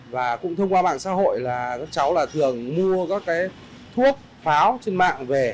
và cũng thông qua mạng xã hội là các cháu là thường mua các thuốc pháo trên mạng về